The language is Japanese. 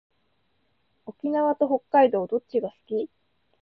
沖縄と北海道どっちが好き？